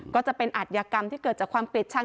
ก็จะเป็นอัธยากรรมที่เกิดจากความเกลียดชัง